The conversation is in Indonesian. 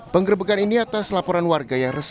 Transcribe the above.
penggerbekan ini atas laporan warga yang resmi